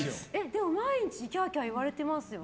でも、毎日キャーキャー言われてましたよね。